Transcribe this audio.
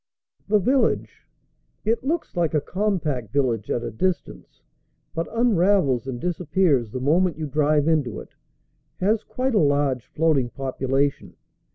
The village it looks like a compact village at a distance, but unravels and disappears the moment you drive into it has quite a large floating population.